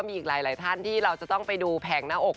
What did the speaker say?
มีอีกหลายท่านที่เราจะต้องไปดูแผงหน้าอก